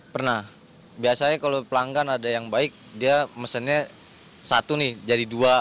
pernah biasanya kalau pelanggan ada yang baik dia mesennya satu nih jadi dua